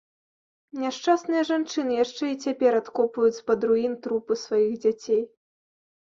Няшчасныя жанчыны яшчэ і цяпер адкопваюць з-пад руін трупы сваіх дзяцей.